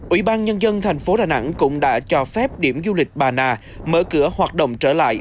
ủy ban nhân dân thành phố đà nẵng cũng đã cho phép điểm du lịch bà nà mở cửa hoạt động trở lại